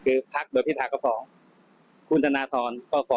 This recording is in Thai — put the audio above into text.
เอาตรงนี้ก็ได้ค่ะชูตรงนี้ก็ได้